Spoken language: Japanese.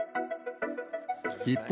一方、